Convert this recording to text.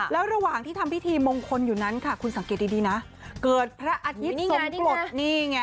แล้วระหว่างที่ทำพิธีมงคลอยู่นั้นค่ะคุณสังเกตดีนะเกิดพระอาทิตย์ทรงกรดนี่ไง